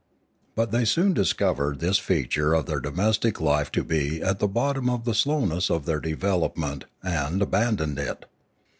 But they soon discovered this feature of their domestic life to be at the bottom of the slowness of their development, and abandoned it.